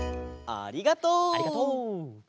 ありがとう。